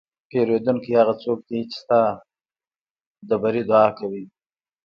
پیرودونکی هغه څوک دی چې ستا د بری دعا کوي.